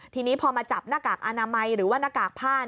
ทีนี้พอมาจับหน้ากากอนามัยหรือว่าหน้ากากผ้า